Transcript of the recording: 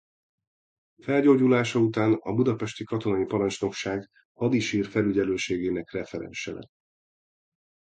Felgyógyulása után a Budapesti Katonai Parancsnokság hadisír-felügyelőségének referense lett.